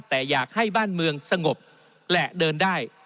แต่อยากให้บ้านเมืองสงบและเดินได้